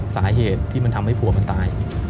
สาเหตุที่มันทำให้ผัวมันตาย